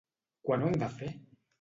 Quan ho han de fer?